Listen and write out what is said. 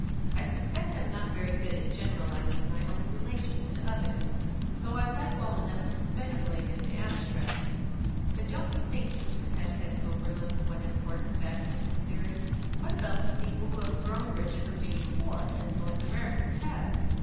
"I suspect I'm not very good at generalising my own relations to others, though I like well enough to speculate in the abstract. But don't you think Mr. Peck has overlooked one important fact in his theory? What about the people who have grown rich from being poor, as most Americans have?